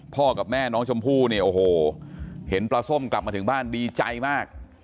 กับแม่น้องชมพู่เนี่ยโอ้โหเห็นปลาส้มกลับมาถึงบ้านดีใจมาก